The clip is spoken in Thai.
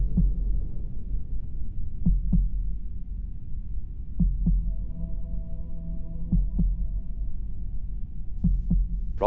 ร้องได้ให้ล้าน